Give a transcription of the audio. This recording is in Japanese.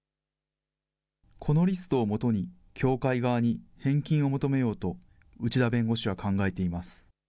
このリストをもとに、教会側に返金を求めようと、内田弁護士は考えています。